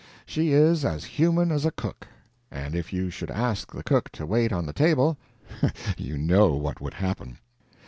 She is as human as a cook; and if you should ask the cook to wait on the table, you know what would happen.